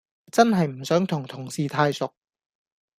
真係唔想同同事太熟